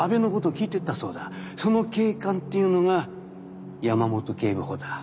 その警官っていうのが山本警部補だ。